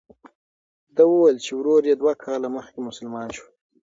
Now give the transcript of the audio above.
ده وویل چې ورور یې دوه کاله مخکې مسلمان شو.